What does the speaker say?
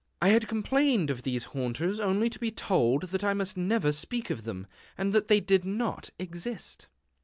I had complained of these haunters only to be told that I must never speak of them, and that they did not exist.